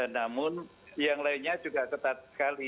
namun yang lainnya juga ketat sekali